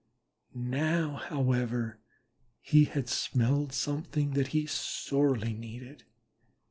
Now, however, he had smelled something that he sorely needed.